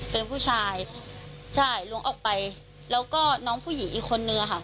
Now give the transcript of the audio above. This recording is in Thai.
เป็นผู้ชายใช่ล้วงออกไปแล้วก็น้องผู้หญิงอีกคนนึงอะค่ะ